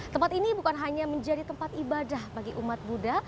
tempat ini bukan hanya menjadi tempat ibadah bagi umat buddha